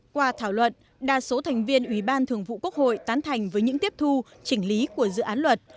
qua thảo luận đa số thành viên ủy ban thường vụ quốc hội tán thành với những tiếp thu chỉnh lý của dự án luật